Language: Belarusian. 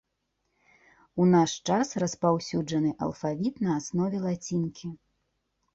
У наш час распаўсюджаны алфавіт на аснове лацінкі.